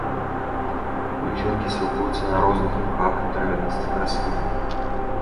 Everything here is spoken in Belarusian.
Лічынкі сілкуюцца на розных імхах і травяністых раслінах.